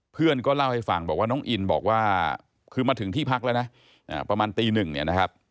เพื่อนก็เล่าให้ฟังบอกว่าน้องอินบอกว่าคือมาถึงที่พักแล้วนะประมาณตีหนึ่งเนี่ยนะครับ